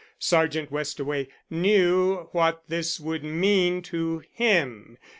Sergeant Westaway knew what this would mean to him.